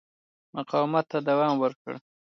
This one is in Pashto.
مقاومت ته دوام ورکړ.